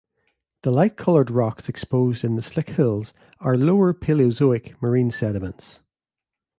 The light-colored rocks exposed in the Slick Hills are lower Paleozoic marine sediments.